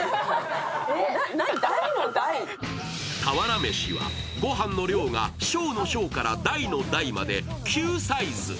俵飯はご飯の量が小の小から大の大まで９サイズ。